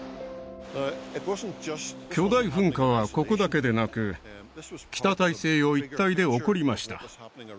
巨大噴火はここだけでなく北大西洋一帯で起こりました